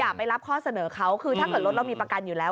ไปรับข้อเสนอเขาคือถ้าเกิดรถเรามีประกันอยู่แล้ว